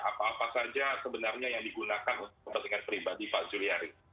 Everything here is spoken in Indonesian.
apa apa saja sebenarnya yang digunakan untuk kepentingan pribadi pak juliari